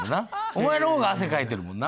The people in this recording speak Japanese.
お前の方が汗かいてるもんな。